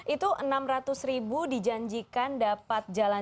itu rp enam ratus dijanjikan dapat jalan jalan